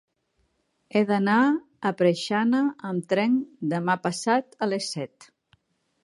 He d'anar a Preixana amb tren demà passat a les set.